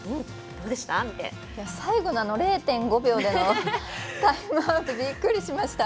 最後の０．５秒でのタイムアウトびっくりしました。